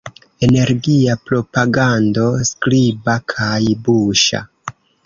Energia propagando skriba kaj buŝa.